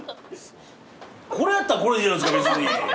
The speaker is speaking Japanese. これやったらこれでいいじゃないですか別に。